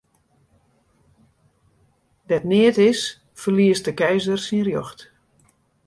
Dêr't neat is, ferliest de keizer syn rjocht.